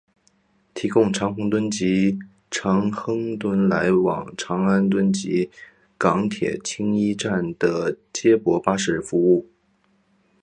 提供长宏邨及长亨邨来往长安邨及港铁青衣站的接驳巴士服务。